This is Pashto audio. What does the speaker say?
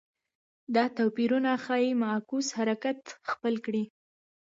دا توپیرونه ښايي معکوس حرکت خپل کړي